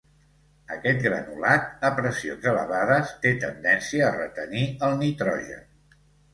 Aquest granulat, a pressions elevades té tendència a retenir el nitrogen.